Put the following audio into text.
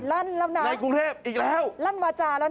รั่นแล้วนะรั่นมาจ่าแล้วนะในกรุงเทพฯอีกแล้ว